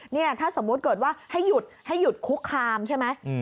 นี่ถ้าสมมุติเกิดว่าให้หยุดให้หยุดคุกคามใช่ไหม